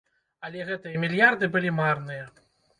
Але гэтыя мільярды былі марныя.